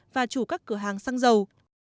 và chủ các cửa hàng xăng dầu